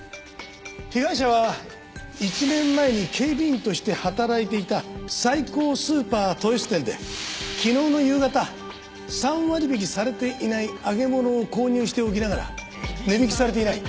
被害者は１年前に警備員として働いていたサイコウスーパー豊洲店で昨日の夕方３割引されていない揚げ物を購入しておきながら「値引きされていない。